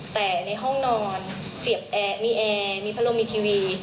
แต่ในห้องนอนเสียบแอร์มีแอร์มีพัดลมมีทีวี